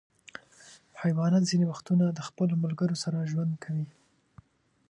حیوانات ځینې وختونه د خپلو ملګرو سره ژوند کوي.